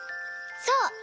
そう！